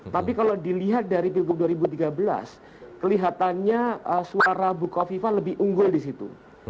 tapi kalau dilihat dari pilgub dua ribu tiga belas kelihatannya suara buko viva lebih unggul di situ